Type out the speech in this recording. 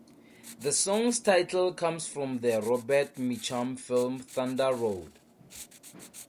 The song's title comes from the Robert Mitchum film "Thunder Road".